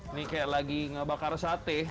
ini kayak lagi ngebakar sate